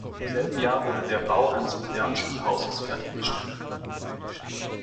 Im selben Jahr wurde der Bau eines modernen Schulhauses fertiggestellt.